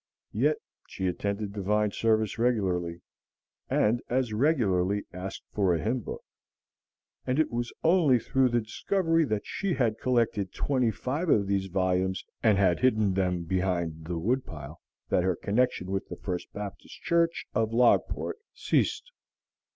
Yet she attended divine service regularly, and as regularly asked for a hymn book; and it was only through the discovery that she had collected twenty five of these volumes and had hidden them behind the woodpile, that her connection with the First Baptist Church of Logport ceased.